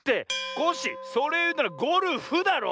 コッシーそれをいうならゴルフだろ。